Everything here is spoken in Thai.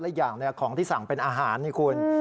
อีกอย่างของที่สั่งเป็นอาหารนี่คุณ